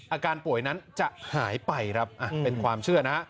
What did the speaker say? อาการป่วยนั้นจะหายไปเป็นความเชื่อนะครับ